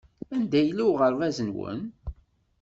Anda yella uɣerbaz-nwen?